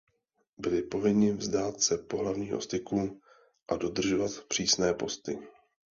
Byli povinni vzdát se pohlavního styku a dodržovat přísné posty.